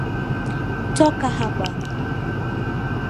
Toka hapa.